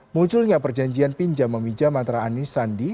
munculnya perjanjian pinjam meminjam antara anis sandi